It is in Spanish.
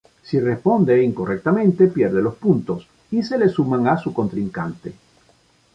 Si responde incorrectamente, pierde los puntos y se le suman a su contrincante.